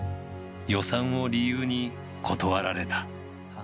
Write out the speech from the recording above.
予算を理由に断られた。